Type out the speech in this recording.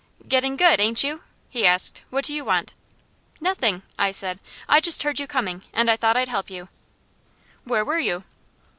"Getting good, ain't you?" he asked. "What do you want?" "Nothing!" I said. "I just heard you coming and I thought I'd help you." "Where were you?"